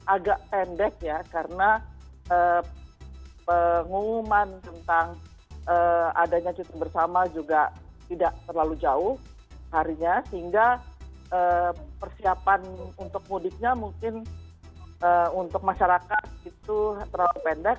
agak pendek ya karena pengumuman tentang adanya cuti bersama juga tidak terlalu jauh harinya sehingga persiapan untuk mudiknya mungkin untuk masyarakat itu terlalu pendek